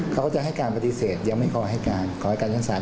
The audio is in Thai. เขาก็จะให้การปฏิเสธยังไม่ขอให้การขอให้การชั้นศาล